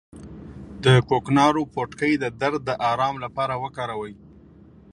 د کوکنارو پوټکی د درد د ارام لپاره وکاروئ